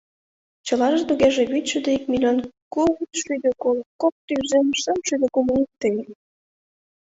Чылаже тугеже вичшӱдӧ ик миллион кудшӱдӧ коло кок тӱжем шымшӱдӧ кумло икте.